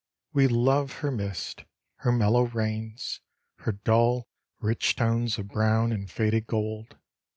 We love her mists, her mellow rains, her dull, rich tones of brown and faded gold.